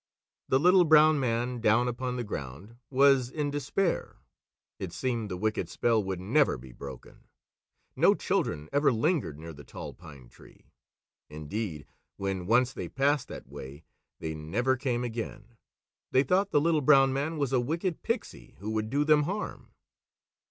The Little Brown Man, down upon the ground, was in despair. It seemed the wicked spell would never be broken. No children ever lingered near the Tall Pine Tree. Indeed, when once they passed that way, they never came again. They thought the Little Brown Man was a wicked pixie who would do them harm.